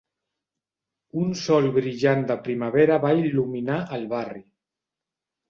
Un sol brillant de primavera va il·luminar el barri.